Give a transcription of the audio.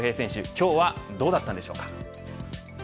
今日はどうだったんでしょうか。